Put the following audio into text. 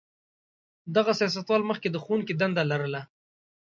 دغه سیاستوال مخکې د ښوونکي دنده لرله.